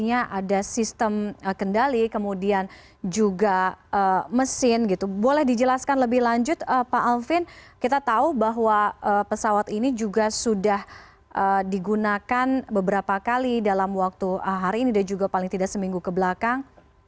ada sistem kendali kemudian juga mesin gitu boleh dijelaskan lebih lanjut pak alvin kita tahu bahwa pesawat ini juga sudah digunakan beberapa kali dalam waktu hari ini dan juga paling tidak seminggu kebelakang